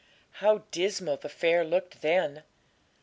How dismal the fair looked then!